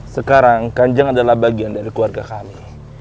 sekarang kanjeng adalah bagian dari keluarga kami